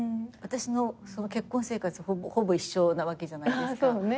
私の結婚生活ほぼ一緒なわけじゃないですか。